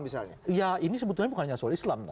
misalnya ya ini sebetulnya bukan hanya soal islam